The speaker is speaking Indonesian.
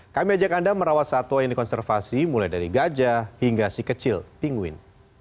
kami ajak anda merawat satwa yang dikonservasi mulai dari gajah hingga si kecil pingguin